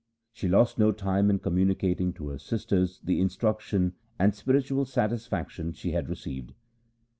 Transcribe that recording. She lost no time in communicating to her sisters the instruction and spiritual satisfaction she had received.